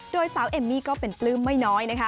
โดยสาวเอมมี่ก็เป็นปลื้มไม่น้อยนะคะ